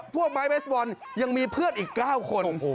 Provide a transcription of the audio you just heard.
ไม้เบสบอลยังมีเพื่อนอีก๙คน